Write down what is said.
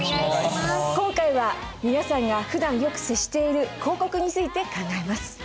今回は皆さんがふだんよく接している広告について考えます。